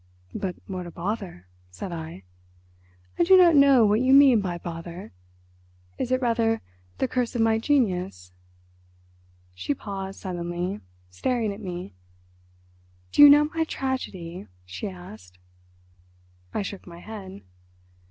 "But what a bother," said I. "I do not know what you mean by 'bother'; is it rather the curse of my genius...." She paused suddenly, staring at me. "Do you know my tragedy?" she asked. I shook my head.